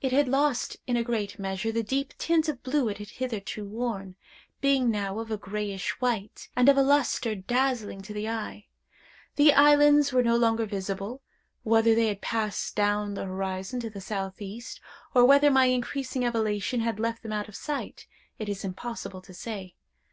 It had lost, in a great measure, the deep tint of blue it had hitherto worn, being now of a grayish white, and of a lustre dazzling to the eye. The islands were no longer visible; whether they had passed down the horizon to the southeast, or whether my increasing elevation had left them out of sight, it is impossible to say.